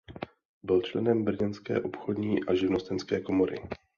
Byl členem brněnské obchodní a živnostenské komory.